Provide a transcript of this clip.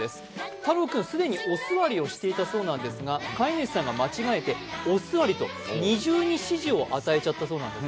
たろうくん、既にお座りをしていたそうなんですが、飼い主さんが間違えて、「お座り」と二重に指示を与えちゃったそうです。